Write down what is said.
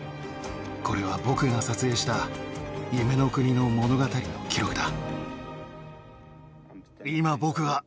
これは僕が撮影した夢の国の物語の記録だ。